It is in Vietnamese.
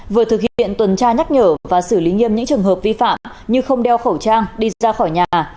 vừa thực hiện tuần tra nhắc nhở và xử lý nghiêm những trường hợp vi phạm như không đeo khẩu trang đi ra khỏi nhà